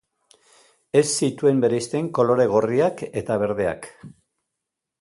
Ez zituen bereizten kolore gorriak eta berdeak.